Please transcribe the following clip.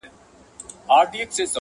o ځکه لاهم پاته څو تڼۍ پر ګرېوانه لرم,